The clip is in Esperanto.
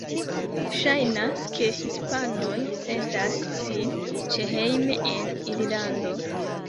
Ŝajnas, ke hispanoj sentas sin ĉehejme en Irlando.